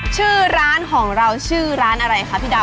ชื่อร้านของเราชื่อร้านอะไรคะพี่ดาว